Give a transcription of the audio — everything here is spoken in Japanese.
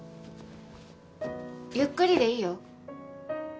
ゆっくりでいいよ。